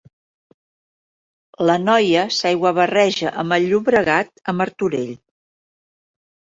L'Anoia s'aiguabarreja amb el Llobregat a Martorell.